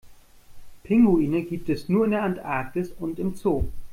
Pinguine gibt es nur in der Antarktis und im Zoo.